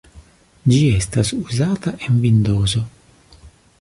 Ĝi estas uzata en Vindozo.